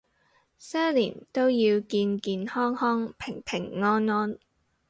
新一年都要健健康康平平安安